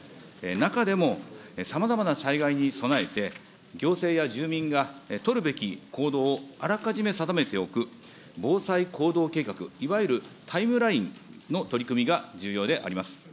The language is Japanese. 中でもさまざまな災害に備えて、行政や住民が取るべき行動をあらかじめ定めておく防災行動計画、いわゆるタイムラインの取り組みが重要であります。